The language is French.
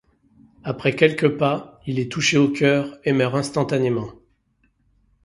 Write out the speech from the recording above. Après quelques pas, il est touché au cœur, et meurt instantanément.